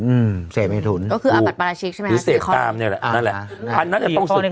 อืมเสกไม่ถุนหรือเสกกล้ามเนี่ยแหละอันนั้นจะต้องศึก